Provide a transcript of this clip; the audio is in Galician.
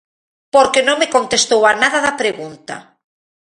Porque non me contestou a nada da pregunta.